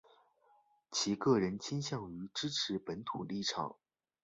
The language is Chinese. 其个人倾向于支持本土立场。